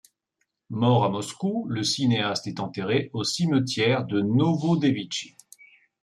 Mort à Moscou, le cinéaste est enterré au cimetière de Novodevitchi.